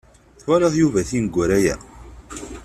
Twalaḍ Yuba tineggura-ya?